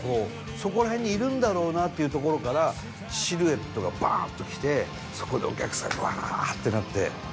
そこら辺にいるんだろうなっていう所からシルエットがバンっときてそこでお客さんワってなって。